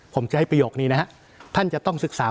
ผมจะให้ประโยคนี้นะฮะท่านจะต้องศึกษา